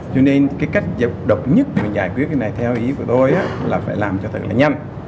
cho nên cái cách độc nhất mà giải quyết cái này theo ý của tôi là phải làm cho thật là nhanh